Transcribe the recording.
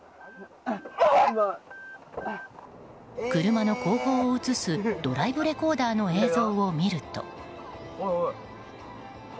車の後方を映すドライブレコーダーの映像を見ると。